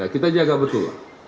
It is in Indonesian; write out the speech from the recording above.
kita jaga betul